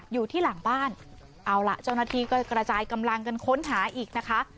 อยู่ที่หลังบ้านเอาล่ะเจ้าหน้าที่ก็กระจายกำลังกันค้นหาอีกนะคะ